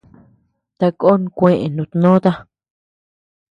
Takoo kuee nutnóta.